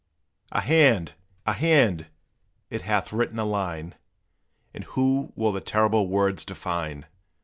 "A hand! a hand! it hath written a line! And who will the terrible words define?